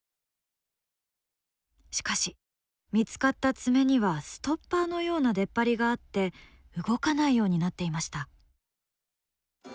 しかし見つかった爪にはストッパーのような出っ張りがあって動かないようになっていました。